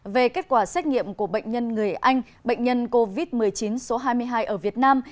về kết quả xét nghiệm của bệnh nhân người anh bệnh nhân covid một mươi chín số hai mươi hai ở việt nam